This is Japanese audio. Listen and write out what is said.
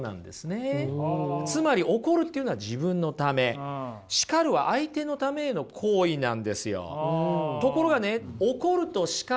つまり怒るっていうのは自分のため叱るは相手のためへの行為なんですよ。